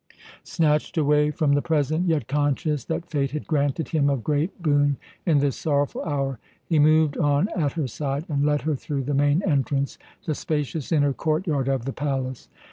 Snatched away from the present, yet conscious that Fate had granted him a great boon in this sorrowful hour, he moved on at her side and led her through the main entrance, the spacious inner court yard of the palace.